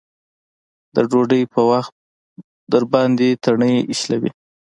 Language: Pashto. د ډوډۍ په وخت درباندې تڼۍ شلوي.